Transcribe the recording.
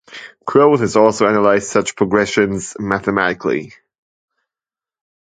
Cohn has also analysed such progressions mathematically.